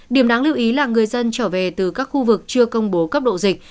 điểm đáng lưu ý là người dân trở về từ các khu vực chưa công bố cấp độ dịch